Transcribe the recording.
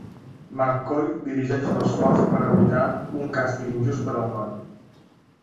McCoy dirigeix l'esforç per evitar un càstig injust per al noi.